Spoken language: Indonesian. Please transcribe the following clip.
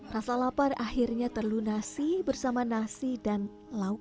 rasa lapar akhirnya terlalu nasi bersama nasi dan lauk